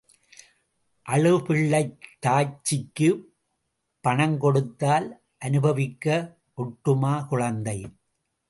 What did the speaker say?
அழுபிள்ளைத் தாய்ச்சிக்குப் பணம் கொடுத்தால் அநுபவிக்க ஒட்டுமா குழந்தை?